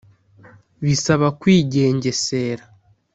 Bisaba kwigengesera